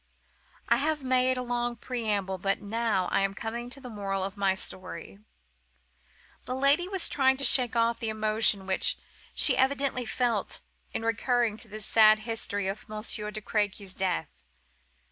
I have made a long preamble, but now I am coming to the moral of my story." My lady was trying to shake off the emotion which she evidently felt in recurring to this sad history of Monsieur de Crequy's death.